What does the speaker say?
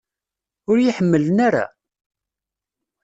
Ur iyi-ḥemmlen ara?